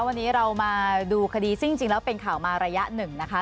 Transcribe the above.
วันนี้เรามาดูคดีซึ่งจริงแล้วเป็นข่าวมาระยะหนึ่งนะคะ